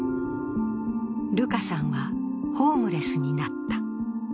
ルカさんはホームレスになった。